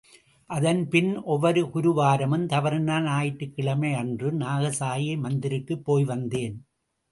அதன் பின் ஒவ்வொரு குரு வாரமும், தவறினால் ஞாயிற்றுக் கிழமை அன்றும் நாக சாயி மந்திருக்குப்போய் வந்தேன்.